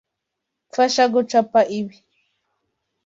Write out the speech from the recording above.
Mfasha gucapa ibi.